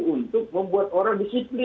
untuk membuat orang disiplin